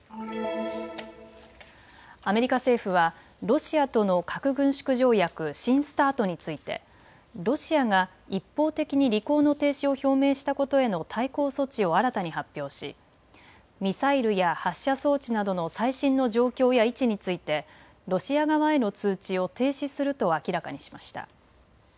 アメリカ政府はロシアとの核軍縮条約、新ＳＴＡＲＴについてロシアが一方的に履行の停止を表明したことへの対抗措置を新たに発表し、ミサイルや発射装置などの最新の状況や位置についてロシア側への通知を停止すると明らかにしました。